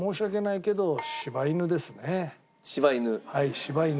柴犬。